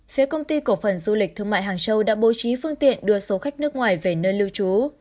phía công ty cổ phần du lịch thương mại hàng châu đã bố trí phương tiện đưa số khách nước ngoài về nơi lưu trú